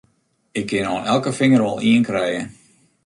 Ik kin oan elke finger wol ien krije!